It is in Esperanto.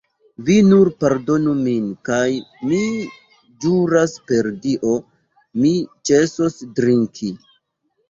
Vi nur pardonu min, kaj mi ĵuras per Dio, mi ĉesos drinki!